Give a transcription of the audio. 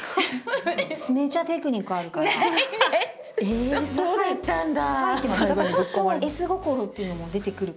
えそうだったんだ。